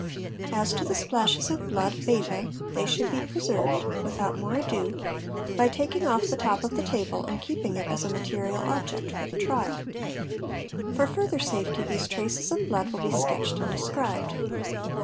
As to the splashes of blood @¢ they should be preserved, without more ado, by taking off the top of the table and keeping it as a '' material object" for the trial. For further safety these traces of blood will be sketched and described.